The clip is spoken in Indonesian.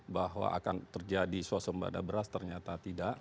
bahwa akan terjadi swastu pada beras ternyata tidak